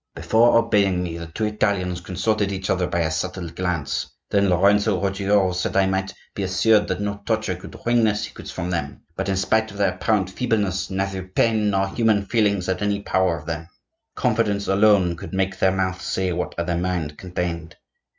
Before obeying me the two Italians consulted each other by a subtle glance; then Lorenzo Ruggiero said I might be assured that no torture could wring their secrets from them; that in spite of their apparent feebleness neither pain nor human feelings had any power of them; confidence alone could make their mouth say what their mind contained.